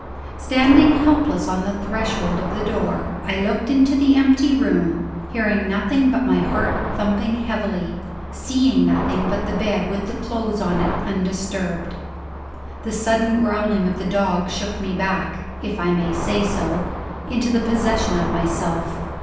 Standing helpless on the threshold of the door, I looked into the empty room; hearing nothing but my heart thumping heavily, seeing nothing but the bed with the clothes on it undisturbed. The sudden growling of the dog shook me back (if I may say so) into the possession of myself.